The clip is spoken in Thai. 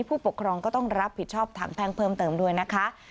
ผู้ปกครองก็ต้องรับผิดชอบทางแพ่งเพิ่มเติมด้วยนะคะ